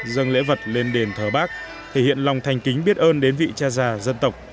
dân lễ vật lên đền thờ bắc thể hiện lòng thành kính biết ơn đến vị cha già dân tộc